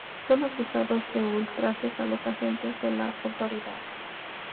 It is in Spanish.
Son acusados de ultrajes a los agentes de la autoridad.